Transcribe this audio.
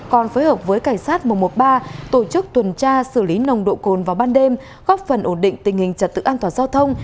còn phối hợp với cảnh sát một trăm một mươi ba tổ chức tuần tra xử lý nồng độ cồn vào ban đêm góp phần ổn định tình hình trật tự an toàn giao thông